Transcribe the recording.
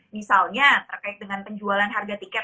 misalnya terkait dengan penjualan harga tiket